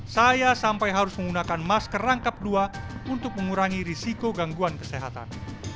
saya sampai harus menggunakan masker rangkap dua untuk mengurangi risiko gangguan kesehatan